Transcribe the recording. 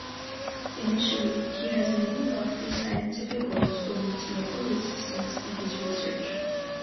Initially, he has many lofty scientific goals, but meets local resistance in his research.